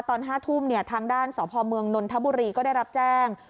ตอน๕ทุ่มทางด้านสพเมืองนนทบุรีก็ได้รับแจ้ง